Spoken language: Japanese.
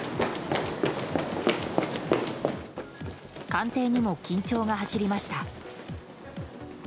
官邸にも緊張が走りました。